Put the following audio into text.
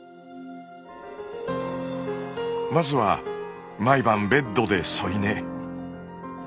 まずは毎晩ベッドで添い寝。